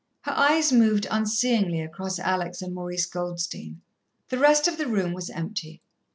Her eyes moved unseeingly across Alex and Maurice Goldstein. The rest of the room was empty.